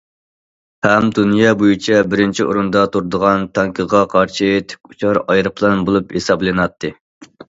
ھەم دۇنيا بويىچە بىرىنچى ئورۇندا تۇرىدىغان تانكىغا قارشى تىك ئۇچار ئايروپىلان بولۇپ ھېسابلىناتتى.